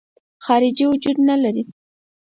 خارجي وجود نه لري.